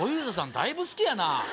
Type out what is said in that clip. だいぶ好きやなぁ。